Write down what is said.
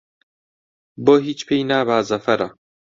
بۆ هیچ پێی نابا زەفەرە